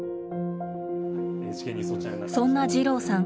そんな二郎さん